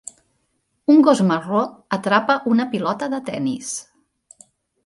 Un gos marró atrapa una pilota de tennis.